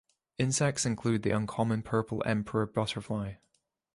Insects include the uncommon purple emperor butterfly.